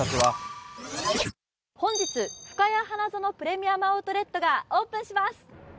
本日、ふかや花園プレミアム・アウトレットがオープンします。